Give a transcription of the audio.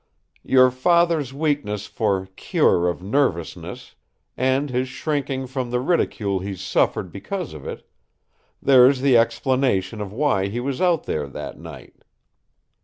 "Your father's weakness for 'cure' of nervousness, and his shrinking from the ridicule he's suffered because of it there's the explanation of why he was out there that night."